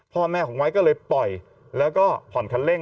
พ่อแม่ของไว้ก็เลยปล่อยแล้วก็ผ่อนคันเร่ง